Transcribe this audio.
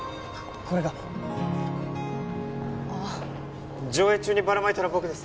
これがああ上映中にバラまいたの僕です